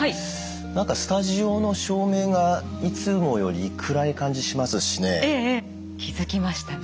何かスタジオの照明がいつもより暗い感じしますしね。